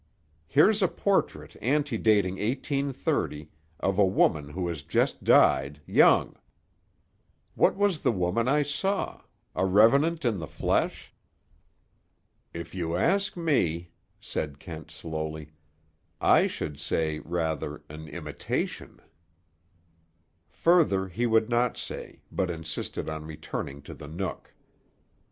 "Here's a portrait antedating 1830, of a woman who has just died, young. What was the woman I saw; a revenant in the flesh?" "If you ask me," said Kent slowly, "I should say, rather, an imitation." Further he would not say, but insisted on returning to the Nook.